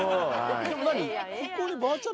でも何？